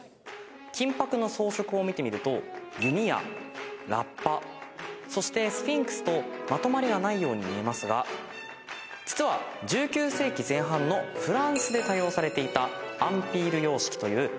金箔の装飾を見てみると弓矢ラッパ鎧そしてスフィンクスとまとまりがないように見えますが実は１９世紀前半のフランスで多用されていた。